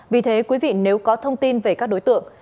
vì thế quý vị nếu có thông tin về các đối tượng